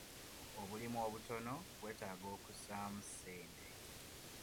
Obulimu obutono bwetaaga okussaamu ssente.